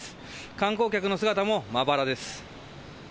観光客の姿もまばらです。